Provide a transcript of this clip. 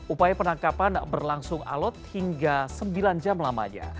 upaya penangkapan berlangsung alot hingga sembilan jam lamanya